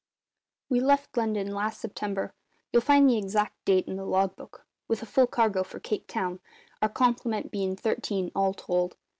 "We left London last September you'll find the exact date in the log book with a full cargo for Cape Town, our complement bein' thirteen, all told.